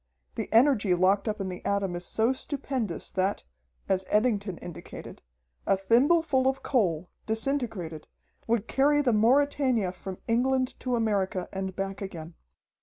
The energy locked up in the atom is so stupendous that, as Eddington indicated, a thimbleful of coal, disintegrated, would carry the Mauretania from England to America and back again.